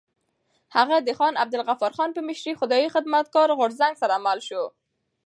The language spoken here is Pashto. هغه د خان عبدالغفار خان په مشرۍ خدایي خدمتګار غورځنګ سره مل شو.